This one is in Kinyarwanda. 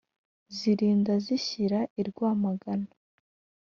zirinda zishyira i rwamagana